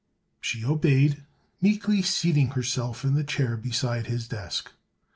She obeyed, meekly seating herself in the chair beside his desk.